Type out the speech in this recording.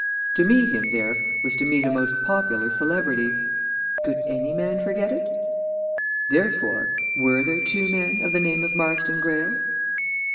To meet him there was to meet a most popular celebrity could any man forget it? Therefore, were there two men of the name of Marston Greyle?